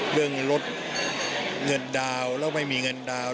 ลดเงินดาวน์แล้วไม่มีเงินดาวน